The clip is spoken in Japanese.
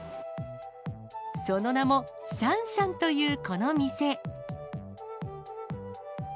その名もシャンシャンというこの店。